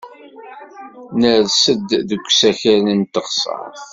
Ners-d deg usakal deg teɣsert.